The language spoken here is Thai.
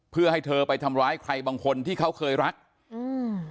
เพื่อให้เธอไปทำร้ายใครบางคนที่เขาเคยรักอืม